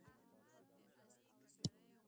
غني خان ولې فلسفي و؟